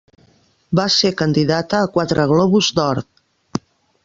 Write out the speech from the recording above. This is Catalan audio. Va ser candidata a quatre Globus d'Or.